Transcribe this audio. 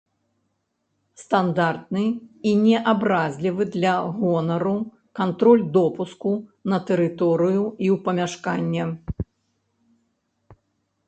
Стандартны і не абразлівы для гонару кантроль допуску на тэрыторыю і ў памяшканне.